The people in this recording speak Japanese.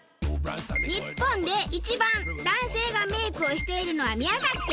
日本で一番男性がメイクをしているのは宮崎県。